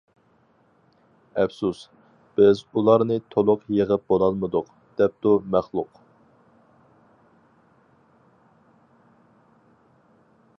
ئەپسۇس، بىز ئۇلارنى تولۇق يىغىپ بولالمىدۇق، -دەپتۇ مەخلۇق.